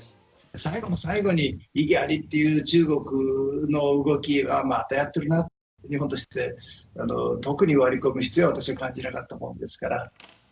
最後の最後に異議ありという中国の動きはまたやってるな、日本として特に割り込む必要は私は感じなかったもんですから。